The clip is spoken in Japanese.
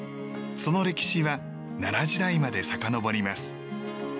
その歴史は奈良時代までさかのぼります。